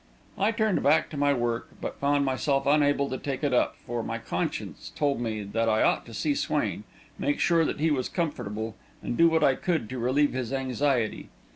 I turned back to my work, but found myself unable to take it up, for my conscience told me that I ought to see Swain, make sure that he was comfortable, and do what I could to relieve his anxiety.